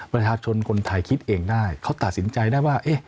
ประชาชนคนไทยคิดเองได้เขาตัดสินใจได้ว่า